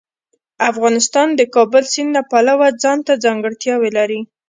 افغانستان د کابل سیند له پلوه ځانته ځانګړتیاوې لري.